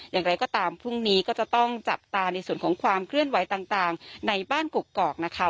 อย่างไรก็ตามพรุ่งนี้ก็จะต้องจับตาในส่วนของความเคลื่อนไหวต่างในบ้านกกอกนะคะ